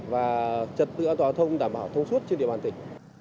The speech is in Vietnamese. và trật tự an toàn thông đảm bảo thông suốt trên địa bàn tỉnh